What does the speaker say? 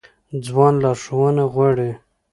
ځوان لارښوونه غواړي